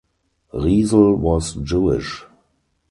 Riesel was Jewish.